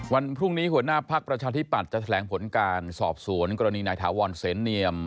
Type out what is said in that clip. วันพรุ่งนี้หัวหน้าพักประชาธิปัตย์จะแถลงผลการสอบสวนกรณีนายถาวรเสนเนียม